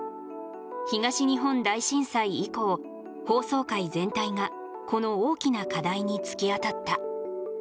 東日本大震災以降放送界全体がこの大きな課題に突き当たった。